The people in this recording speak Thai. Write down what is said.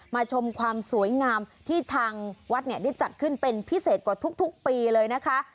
ชมความสวยงามที่ทางวัดเนี่ยได้จัดขึ้นเป็นพิเศษกว่าทุกปีเลยนะคะ